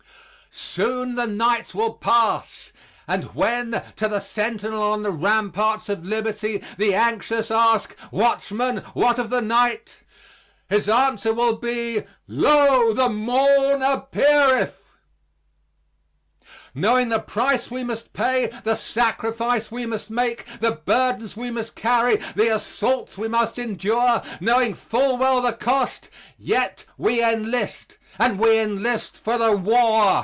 Soon the night will pass; and when, to the Sentinel on the ramparts of Liberty the anxious ask: "Watchman, what of the night?" his answer will be "Lo, the morn appeareth." Knowing the price we must pay, the sacrifice we must make, the burdens we must carry, the assaults we must endure knowing full well the cost yet we enlist, and we enlist for the war.